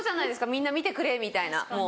みんな見てくれみたいなもう。